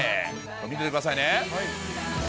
見ててくださいね。